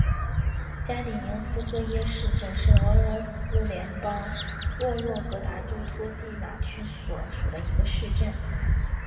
加里宁斯科耶市镇是俄罗斯联邦沃洛格达州托季马区所属的一个市镇。